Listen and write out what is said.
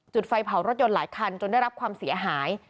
ไฟเผารถยนต์หลายคันจนได้รับความเสียหาย